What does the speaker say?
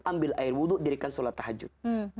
ambil air wudhu dirikan sholat tahajud